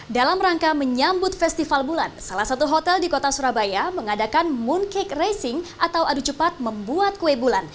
dalam rangka menyambut festival bulan salah satu hotel di kota surabaya mengadakan mooncake racing atau adu cepat membuat kue bulan